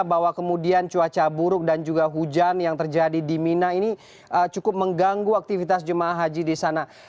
bahwa kemudian cuaca buruk dan juga hujan yang terjadi di mina ini cukup mengganggu aktivitas ⁇ jumah ⁇ haji di sana